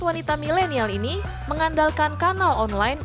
wanita milenial ini mengandalkan kanal online